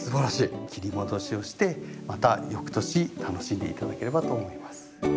切り戻しをしてまた翌年楽しんで頂ければと思います。